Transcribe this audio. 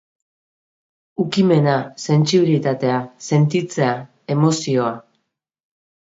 Ukimena, sentsibilitatea, sentitzea, emozioa.